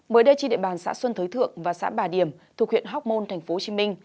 mới đây trên địa bàn xã xuân thới thượng và xã bà điểm thuộc huyện hóc môn tp hcm